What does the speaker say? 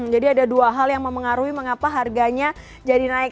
jadi ada dua hal yang mau mengaruhi mengapa harganya jadi naik